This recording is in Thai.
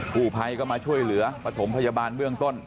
ผู้ภัยก็มาช่วยเหลือปฐมพยาบาลเบื้องต้น